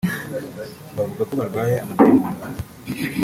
bavuga ko barwaye amadayimoni